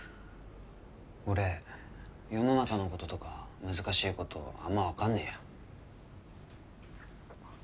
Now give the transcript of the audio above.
俺世の中のこととか難しいことあんま分かんねぇや。